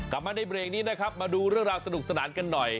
กลับมาในเบรกนี้นะครับมาดูเรื่องราวสนุกสนานกันหน่อย